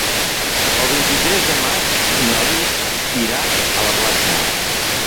El vint-i-tres de maig na Lis irà a la platja.